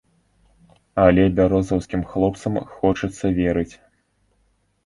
Але бярозаўскім хлопцам хочацца верыць.